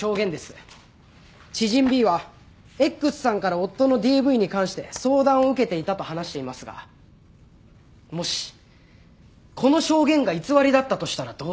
知人ＢはＸさんから夫のＤＶに関して相談を受けていたと話していますがもしこの証言が偽りだったとしたらどうでしょう？